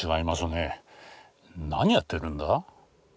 何やってるんだ？